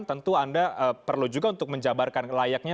tentu anda perlu juga untuk menjabarkan layaknya